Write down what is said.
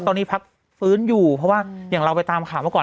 ตอนนี้พักฟื้นอยู่เพราะว่าอย่างเราไปตามข่าวมาก่อน